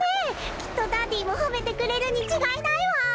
きっとダディもほめてくれるにちがいないわ。